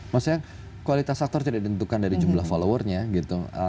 maksudnya kualitas aktor tidak ditentukan dari jumlah followernya gitu